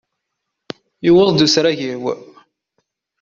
Yewweḍ-d usrag-iw.